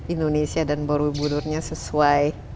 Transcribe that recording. indonesia dan pola puturnya sesuai